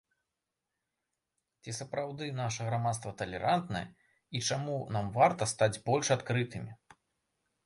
Ці сапраўды наша грамадства талерантнае і чаму нам варта стаць больш адкрытымі?